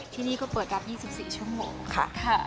ที่นี่ก็เปิดรับ๒๔ชั่วโมงค่ะ